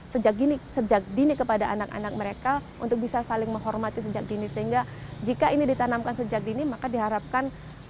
sejak dini kepada anak anak mereka untuk bisa saling menghormati sejak dini sehingga jika ini ditanamkan sejak dini maka diharapkan